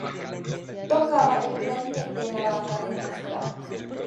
Tocaba el clarinete en la banda de música.